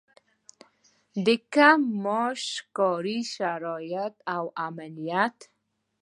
لکه کم معاش، کاري شرايط او امنيت.